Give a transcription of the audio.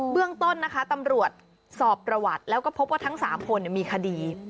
เรื่องต้นนะคะตำรวจสอบประวัติแล้วก็พบว่าทั้ง๓คนมีคดี